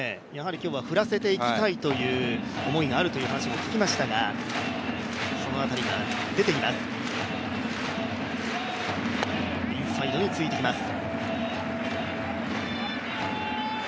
今日は振らせていきたいという思いがあるという話も聞きましたがその辺りが出ています。